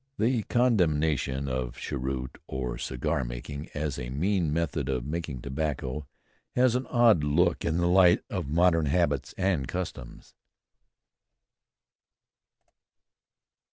The condemnation of cheroot or cigar smoking as a mean method of taking tobacco has an odd look in the light of modern habits and customs.